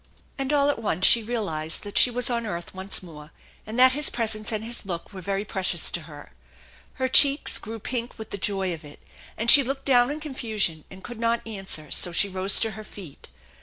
And all at once she realized that she was on earth once more, and that his presence and his look were yery precious to her. Her cheeks grew pink with the joy of it, and she looked down in confusion and could not THE ENCHANTED BARN so she rose to her feet.